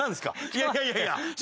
いやいやいやいや。